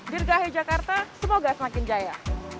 dirgahe jakarta semoga semakin jaya